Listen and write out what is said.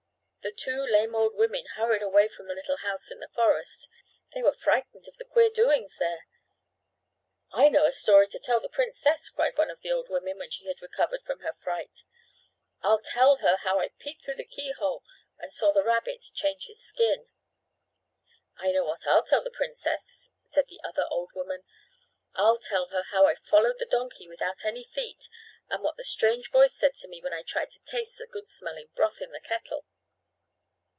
The two lame old women hurried away from the little house in the forest. They were frightened at the queer doings there. "I know a story to tell the princess!" cried one of the old women when she had recovered from her fright. "I'll tell her how I peeped through the keyhole and saw the rabbit change his skin." "I know what I'll tell the princess," said the other old woman. "I'll tell her how I followed the donkey without any feet and what that strange voice said to me when I tried to taste the good smelling broth in the kettle."